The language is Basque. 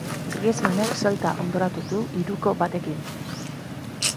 Griezmannek Celta hondoratu du hiruko batekin.